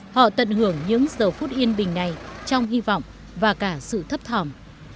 họ tận hưởng những giờ phút yên bình này trong hy vọng và cả sự thấp thỏm